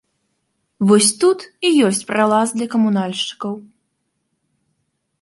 Вось тут і ёсць пралаз для камунальшчыкаў.